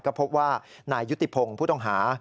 ก็พบว่านายยุติพงศ์ผู้ต้องหา